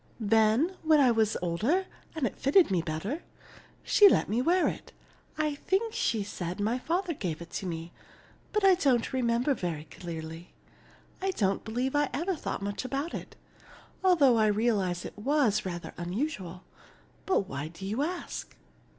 Then when I was older and it fitted me better, she let me wear it. I think she said my father gave it to me. I don't remember very clearly. I don't believe I ever thought much about it, although I realized it was rather unusual. But why do you ask?"